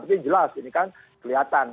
tapi jelas ini kan kelihatan